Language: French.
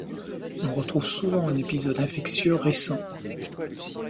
On retrouve souvent un épisode infectieux récent.